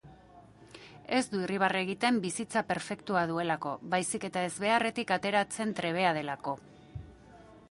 Ez du irribarre egiten bizitza perfektua duelako, baizik eta ezbeharretik ateratzen trebea delako.